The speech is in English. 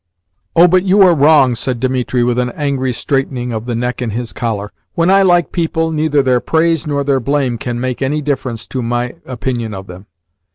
"Oh, but you are wrong," said Dimitri with an angry straightening of the neck in his collar. "When I like people, neither their praise nor their blame can make any difference to my opinion of them."